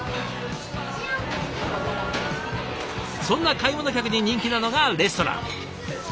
そんな買い物客に人気なのがレストラン。